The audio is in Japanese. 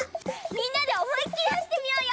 みんなでおもいっきりはしってみようよ！